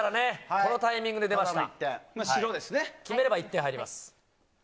このタイミングで出ました。